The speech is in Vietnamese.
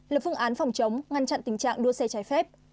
lập phương án phòng chống ngăn chặn tình trạng đua xe trái phép